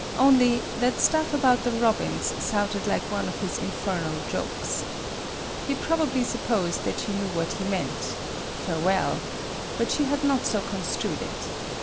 Only, that stuff about the robins sounded like one of his infernal jokes. He probably supposed that she knew what he meant farewell ; but she had not so con strued it.